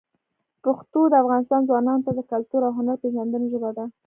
پښتو د افغانستان ځوانانو ته د کلتور او هنر پېژندنې ژبه ده.